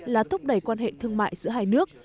là thúc đẩy quan hệ thương mại giữa hai nước